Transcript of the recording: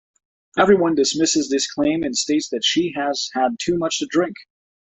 Everyone dismisses this claim and states that she has had too much to drink.